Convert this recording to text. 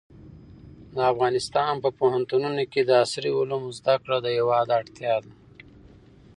د افغانستان په پوهنتونونو کې د عصري علومو زده کړه د هېواد اړتیا ده.